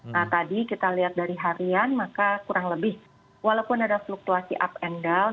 nah tadi kita lihat dari harian maka kurang lebih walaupun ada fluktuasi up and down